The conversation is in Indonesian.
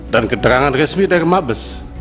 dan keterangan resmi dari mabes